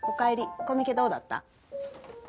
コミケどうだった？